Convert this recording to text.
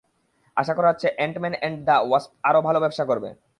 আশা করা হচ্ছে, Ant-Man and the wasp আরও ভালো ব্যবসা করবে।